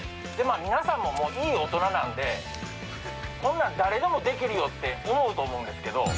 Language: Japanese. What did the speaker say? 皆さんももういい大人なんでこんなん誰でもできるよって思うと思うんですけど。